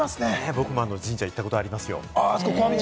僕もあの神社行った事ありますよ。